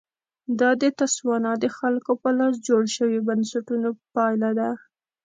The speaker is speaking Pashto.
دا د تسوانا د خلکو په لاس جوړ شویو بنسټونو پایله ده.